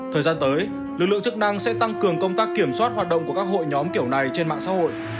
thời gian tới lực lượng chức năng sẽ tăng cường công tác kiểm soát hoạt động của các hội nhóm kiểu này trên mạng xã hội